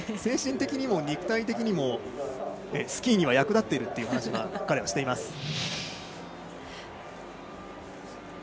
精神的にも肉体的にもスキーに役立っているという話を彼はしています。